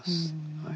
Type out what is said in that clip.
はい。